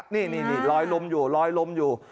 นี่นี่นี่ลอยลมอยู่ลอยลมอยู่